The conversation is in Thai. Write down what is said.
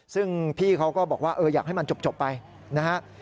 ซึ่งพี่เขาก็บอกว่าอยากให้มันจบไปนะฮะ